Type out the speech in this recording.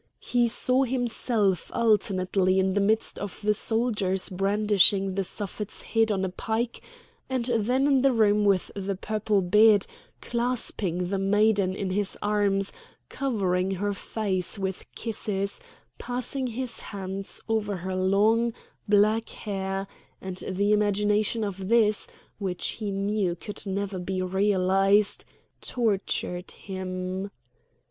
He saw himself alternately in the midst of the soldiers brandishing the Suffet's head on a pike, and then in the room with the purple bed, clasping the maiden in his arms, covering her face with kisses, passing his hands over her long, black hair; and the imagination of this, which he knew could never be realised, tortured him.